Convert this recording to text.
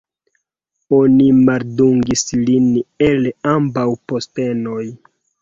Oni maldungis lin el ambaŭ postenoj.